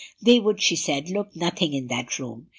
They would, she said, look nothing in that room.